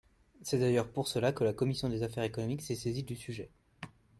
C’est d’ailleurs pour cela que la commission des affaires économiques s’était saisie du sujet.